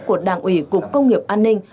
của đảng ủy cục công nghiệp an ninh